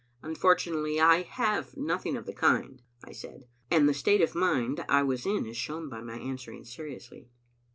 "Unfortunately I have nothing of the kind," I said, and the state of mind I was in is shown by my answer ing seriously.